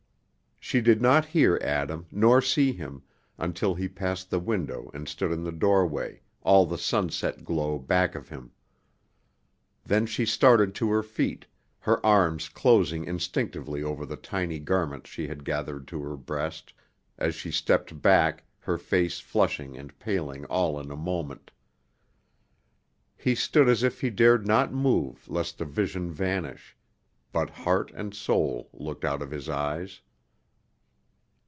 She did not hear Adam, nor see him, until he passed the window and stood in the doorway, all the sunset glow back of him. Then she started to her feet, her arms closing instinctively over the tiny garments she had gathered to her breast, as she stepped back, her face flushing and paling all in a moment. He stood as if he dared not move lest the vision vanish, but heart and soul looked out of his eyes.